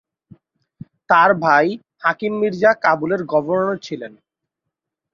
তার ভাই হাকিম মির্জা কাবুলের গভর্নর ছিলেন।